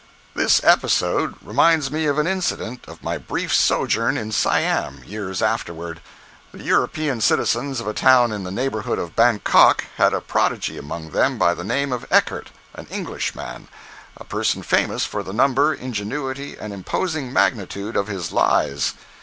This episode reminds me of an incident of my brief sojourn in Siam, years afterward. The European citizens of a town in the neighborhood of Bangkok had a prodigy among them by the name of Eckert, an Englishman—a person famous for the number, ingenuity and imposing magnitude of his lies.